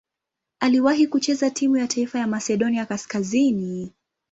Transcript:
Aliwahi kucheza timu ya taifa ya Masedonia Kaskazini.